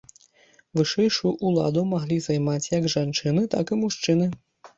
Вышэйшую ўладу маглі займаць як жанчыны, так і мужчыны.